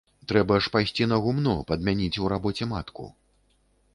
Трэба ж пайсці на гумно, падмяніць у рабоце матку.